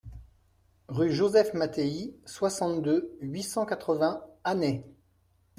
Rue Joseph Mattéi, soixante-deux, huit cent quatre-vingts Annay